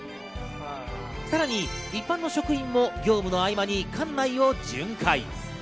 さらに一般の職員も業務の合間に館内を巡回。